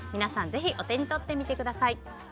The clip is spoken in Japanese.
ぜひ、お手に取ってみてください。